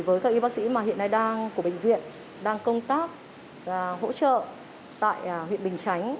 với các y bác sĩ mà hiện nay đang của bệnh viện đang công tác hỗ trợ tại huyện bình chánh